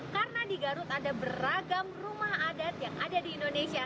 karena di garut ada beragam rumah adat yang ada di indonesia